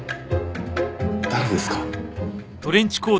誰ですか？